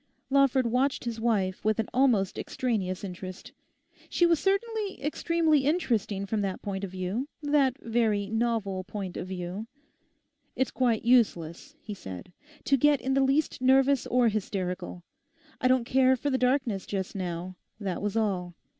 Lawford watched his wife with an almost extraneous interest. She was certainly extremely interesting from that point of view, that very novel point of view. 'It's quite useless,' he said, 'to get in the least nervous or hysterical. I don't care for the darkness just now. That was all.